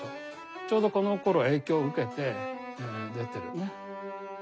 ちょうどこのころ影響を受けて出てるね。